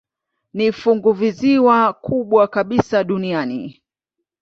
Ni funguvisiwa kubwa kabisa duniani.